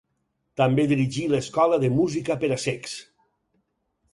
També dirigí l'Escola de Música per a Cecs.